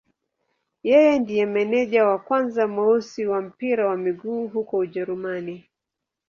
Yeye ndiye meneja wa kwanza mweusi wa mpira wa miguu huko Ujerumani.